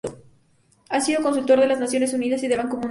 Ha sido consultor de las Naciones Unidas y del Banco Mundial.